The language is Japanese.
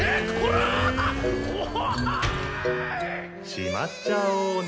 しまっちゃおうね。